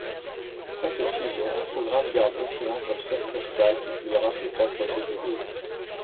Après cette fusion, Infogrames garde Ocean comme succursale qui publiera ses propres jeux vidéo.